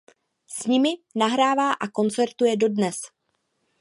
S nimi nahrává a koncertuje dodnes.